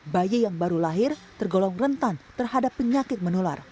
bayi yang baru lahir tergolong rentan terhadap penyakit menular